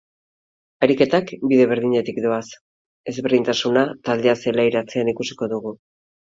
Ariketak bide berdinetik doaz, ezberdintasuna taldea zelairatzean ikusiko dugu.